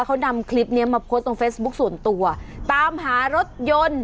เขานำคลิปเนี้ยมาโพสต์ตรงเฟซบุ๊คส่วนตัวตามหารถยนต์